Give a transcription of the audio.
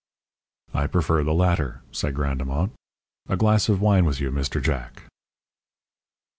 "I prefer the latter," said Grandemont. "A glass of wine with you, Mr. Jack."